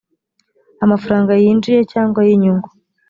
amafaranga yinjiye cyangwa y inyungu